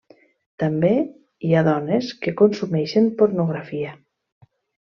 També, hi ha dones que consumeixen pornografia.